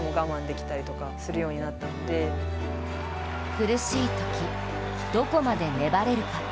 苦しいとき、どこまで粘れるか。